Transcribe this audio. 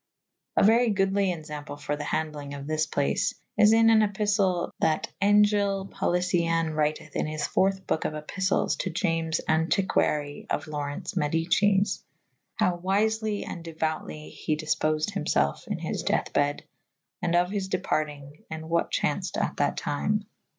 A very goodly enfample for the handelynge of this place is in an epiftle that Angele Policiane writeth in his fourth boke of epistels to James Antiquarie of Laurence Medices / howe wyfely and deuoutly he dyfpofed hym felfe in his dethe bed / and of his departynge / and what chaunfed at that tyme.